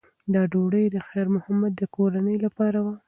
دا ډوډۍ د خیر محمد د کورنۍ لپاره وه.